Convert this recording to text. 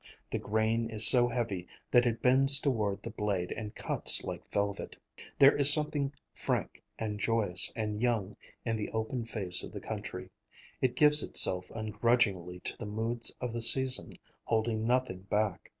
The grain is so heavy that it bends toward the blade and cuts like velvet. There is something frank and joyous and young in the open face of the country. It gives itself ungrudgingly to the moods of the season, holding nothing back.